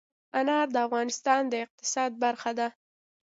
انار د افغانستان د اقتصاد برخه ده.